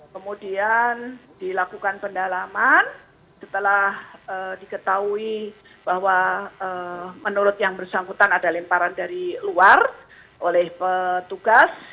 kemudian dilakukan pendalaman setelah diketahui bahwa menurut yang bersangkutan ada lemparan dari luar oleh petugas